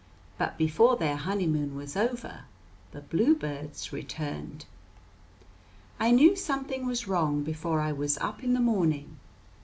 But before their honeymoon was over the bluebirds returned. I knew something was wrong before I was up in the morning.